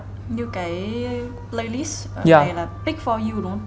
như cái playlist hay là pick for you đúng không